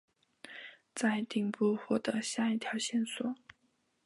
在顶部获得下一条线索。